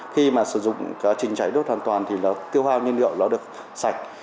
khi mà sử dụng quá trình cháy đốt hoàn toàn thì tiêu hoa nhiên liệu nó được sạch